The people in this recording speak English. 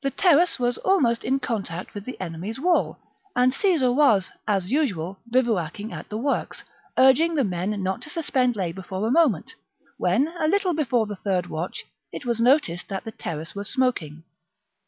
terrace was almost in contact with the enemy's wall, and Caesar was, as usual, bivouacking at the works, urging the men not to suspend labour for a moment, when, a little before the third watch, it was noticed that the terrace was smoking.